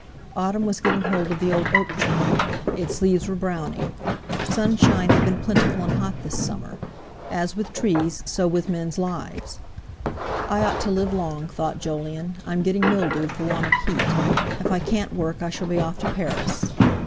Autumn was getting hold of the old oak tree, its leaves were browning. Sunshine had been plentiful and hot this summer. As with trees, so with men's lives! "I ought to live long," thought Jolyon; "I'm getting mildewed for want of heat. If I can't work, I shall be off to Paris."